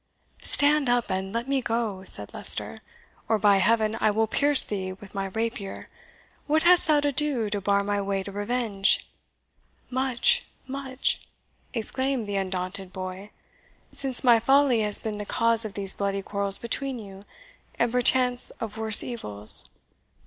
"Stand up, and let me go," said Leicester, "or, by Heaven, I will pierce thee with my rapier! What hast thou to do to bar my way to revenge?" "Much much!" exclaimed the undaunted boy, "since my folly has been the cause of these bloody quarrels between you, and perchance of worse evils.